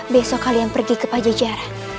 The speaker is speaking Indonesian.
besok kalian pergi ke pajajaran